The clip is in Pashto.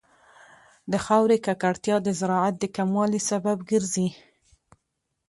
د خاورې ککړتیا د زراعت د کموالي سبب ګرځي.